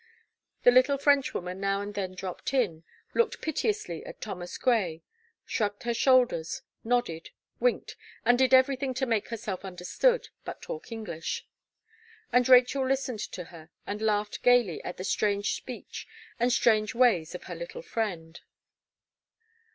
The little Frenchwoman now and then dropped in, looked piteously at Thomas Gray, shrugged her shoulders, nodded, winked, and did everything to make herself understood, but talk English; and Rachel listened to her, and laughed gaily at the strange speech and strange ways of her little friend.